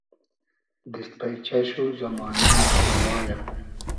دیست پݷچۂ شو زئمانۂ نا رئوا یۂ